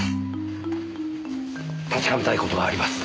確かめたい事があります。